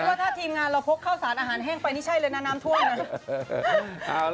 หนูคิดว่าถ้าทีมงานเราพกเข้าสารอาหารแห้งไปนี่ใช่เลยนะน้ำถ้วง